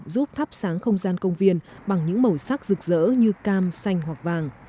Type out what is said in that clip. giúp thắp sáng không gian công viên bằng những màu sắc rực rỡ như cam xanh hoặc vàng